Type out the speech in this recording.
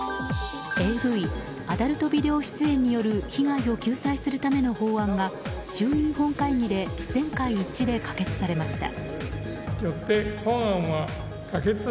ＡＶ・アダルトビデオ出演による被害を救済するための法案が衆院本会議で全会一致で可決されました。